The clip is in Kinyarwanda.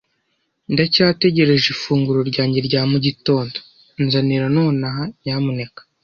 Ndacyategereje ifunguro ryanjye rya mu gitondo. Nzanira nonaha, nyamuneka.